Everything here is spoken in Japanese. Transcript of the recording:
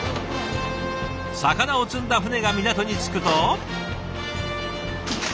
魚を積んだ船が港に着くと。